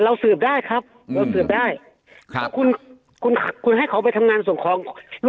สืบได้ครับเราสืบได้ครับคุณคุณให้เขาไปทำงานส่งของ